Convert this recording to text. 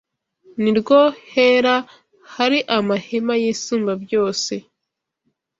Ni rwo Hera hari amahema y’Isumbabyose